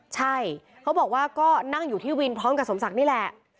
ใช่เขาบอกว่าก็นั่งอยู่ที่วินพร้อมกับสมศักดิ์นี่แหละ